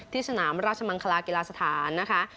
สนามราชมังคลากีฬาสถานนะคะ